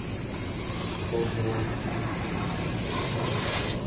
Kponovi.